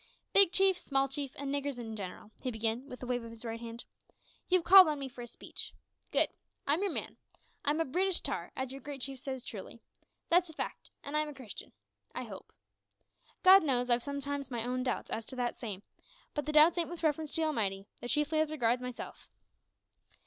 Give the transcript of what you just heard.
"Big Chief, small chiefs, and niggers in general," he began, with a wave of his right hand, "you've called on me for a speech. Good. I'm your man, I'm a `Breetish tar,' as your great chief says truly that's a fact; an' I'm a Christian I hope. God knows, I've sometimes my own doubts as to that same; but the doubts ain't with reference to the Almighty; they're chiefly as regards myself.